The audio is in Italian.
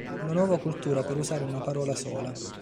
Una nuova cultura, per usare una parola sola.